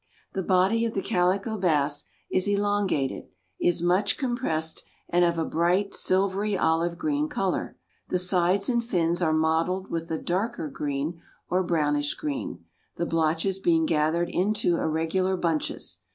The body of the Calico Bass is elongated, is much compressed and of a bright, silvery olive green color. The sides and fins are mottled with a darker green or brownish green, the blotches being gathered into irregular bunches.